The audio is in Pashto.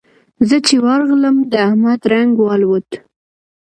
زه چې ورغلم؛ د احمد رنګ والوت.